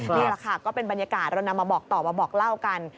นี่แหละค่ะก็เป็นบรรยากาศเรานำมาบอกต่อมาบอกเล่ากัน